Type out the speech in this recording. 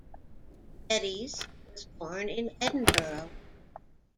Geddes was born in Edinburgh.